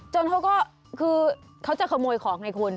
เขาก็คือเขาจะขโมยของไงคุณ